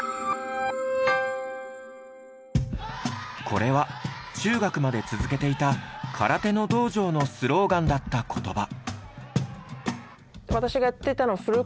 これは中学まで続けていた空手の道場のスローガンだった言葉。